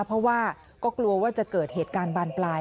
เพราะว่าก็กลัวว่าจะเกิดเหตุการณ์บานปลาย